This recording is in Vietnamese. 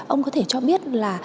ông có thể cho biết là